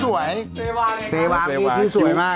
สวยพี่สวยมากเจวาพี่พิวสวยมาก